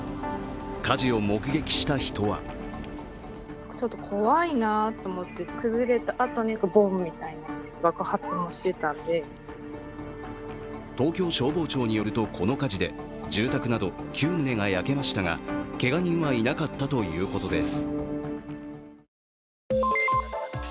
火事を目撃した人は東京消防庁によると、この火事で住宅など９棟が焼けましたがけが人はいなかったということです。